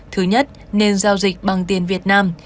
thứ nhất nên giao dịch bằng tiền việt nam